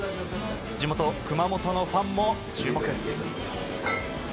地元・熊本のファンも注目。